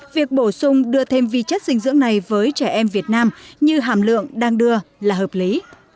việc bổ sung đưa thêm vi chất dinh dưỡng này với trẻ em việt nam như hàm lượng đang đưa là hợp lý